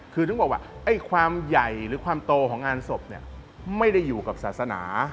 คือถึงบอกว่าไอ้ความใหญ่หรือความโตของงานศพเนี่ยไม่ได้อยู่กับศาสนา